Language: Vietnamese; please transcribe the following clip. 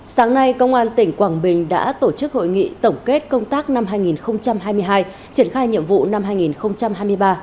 sáng nay công an tỉnh quảng bình đã tổ chức hội nghị tổng kết công tác năm hai nghìn hai mươi hai triển khai nhiệm vụ năm hai nghìn hai mươi ba